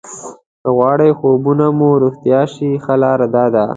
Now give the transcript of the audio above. که غواړئ خوبونه مو رښتیا شي ښه لاره داده.